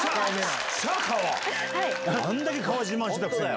あんだけ川自慢してたくせに。